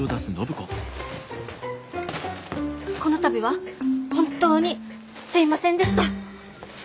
この度は本当にすいませんでした。